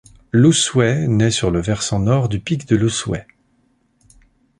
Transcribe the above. L'Oussouet naît sur le versant nord du Pic de l'Oussouet.